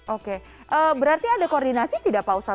oke berarti ada koordinasi tidak pak ustadz